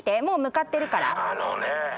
もう向かってるから。